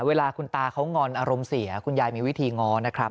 เวลาคุณตาเขางอนอารมณ์เสียคุณยายมีวิธีง้อนะครับ